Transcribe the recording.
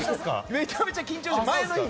めちゃめちゃ緊張して。